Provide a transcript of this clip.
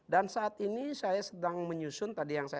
dan saat ini saya sedang menyusun